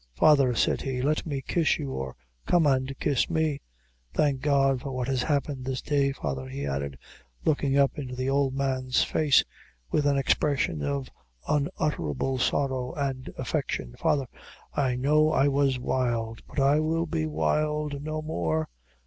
"Father," said he, "let me kiss you, or come and kiss me. Thank God for what has happened this day. Father," he added, looking up into the old man's face, with an expression of unutterable sorrow and affection "father, I know I was wild; but I will be wild no more.